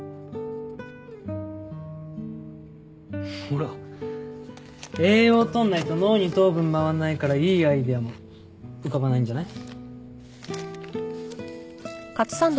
ほら栄養とんないと脳に糖分回んないからいいアイデアも浮かばないんじゃない？